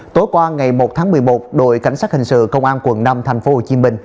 tối qua ngày một tháng một mươi một đội cảnh sát hình sự công an quận năm thành phố hồ chí minh